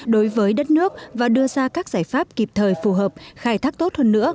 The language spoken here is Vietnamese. đối với đất nước và đưa ra các giải pháp kịp thời phù hợp khai thác tốt hơn nữa